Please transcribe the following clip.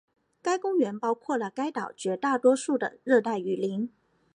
该公园包括了该岛绝大多数的热带雨林。